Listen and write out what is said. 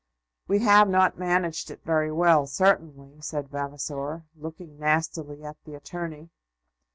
"We have not managed it very well, certainly," said Vavasor, looking nastily at the attorney.